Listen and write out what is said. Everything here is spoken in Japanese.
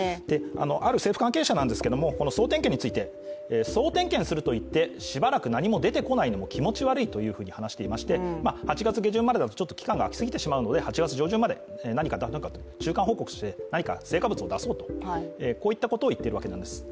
ある政府関係者ですがこの総点検について、総点検するといってしばらく何も出てこないのも気持ち悪いというふうに話していまして８月下旬までだと期間があきすぎてしまうので８月上旬まで何か成果物を出そうと、こういったことを言っているわけです。